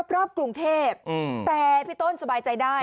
รอบกรุงเทพแต่พี่ต้นสบายใจได้